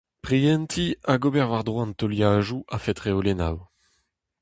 Prientiñ hag ober war-dro an teuliadoù a-fet reolennoù.